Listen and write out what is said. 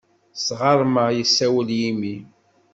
S tɣerma yessawel yimi.